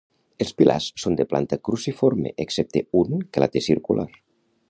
Els pilars són de planta cruciforme, excepte un que la té circular.